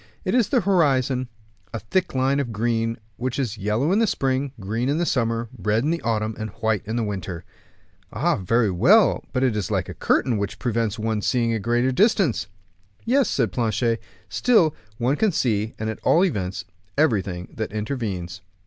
"It is the horizon, a thick line of green, which is yellow in the spring, green in the summer, red in the autumn, and white in the winter." "All very well, but it is like a curtain, which prevents one seeing a greater distance." "Yes," said Planchet; "still, one can see, at all events, everything that intervenes."